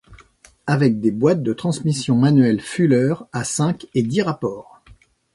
Avec des boîtes de transmissions manuelles Fuller à cinq et dix rapports.